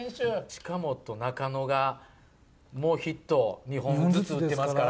近本、中野がもうヒット２本ずつ打ってますから。